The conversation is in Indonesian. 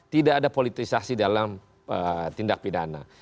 tidak ada politisasi dalam tindak pidana